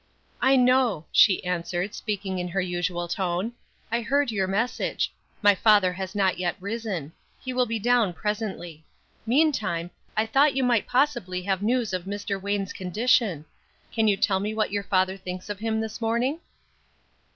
"I know," she answered, speaking in her usual tone. "I heard your message. My father has not yet risen. He will be down presently. Meantime, I thought you might possibly have news of Mr. Wayne's condition. Can you tell me what your father thinks of him this morning?"